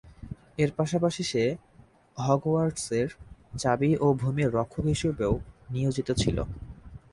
এর পাশাপাশি সে হগওয়ার্টসের চাবি ও ভূমির রক্ষক হিসেবেও নিয়োজিত ছিল।